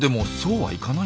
はい。